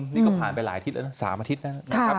นี่ก็ผ่านไปหลายอาทิตย์แล้ว๓อาทิตย์นะครับ